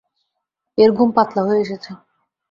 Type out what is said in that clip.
এর ঘুম পাতলা হয়ে এসেছে।